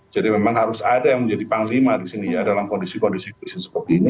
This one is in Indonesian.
jadi memang harus ada yang menjadi panglima di sini ya dalam kondisi kondisi bisnis seperti ini